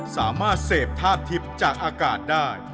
สามารถเสพธาตุทิพย์จากอากาศได้